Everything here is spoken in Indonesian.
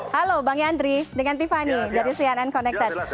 halo bang yandri dengan tiffany dari cnn connected